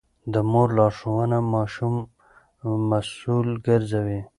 د مور لارښوونه ماشوم مسوول ګرځوي.